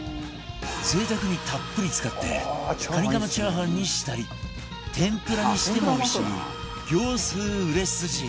贅沢にたっぷり使ってカニカマチャーハンにしたり天ぷらにしてもおいしい業スー売れ筋